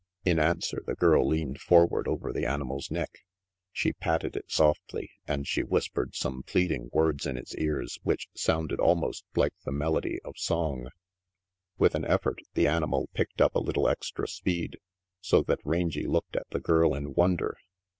In answer, the girl leaned forward over the animal's neck; she patted it softly, and she whispered some pleading words in its ears which sounded almost like the melody of song. With an effort the animal picked up a little extra speed, so that Rangy looked at the girl in wonder.